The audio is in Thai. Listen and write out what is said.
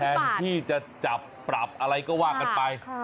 แทนที่จะจับปรับอะไรก็ว่ากันไป